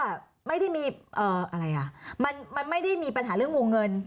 ไม่ได้มีเอ่ออะไรอ่ะมันมันไม่ได้มีปัญหาเรื่องวงเงิน